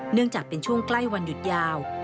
เนื่องจากเป็นช่วงใกล้วันหยุดยาว